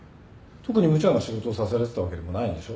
特にむちゃな仕事をさせられてたわけでもないんでしょ？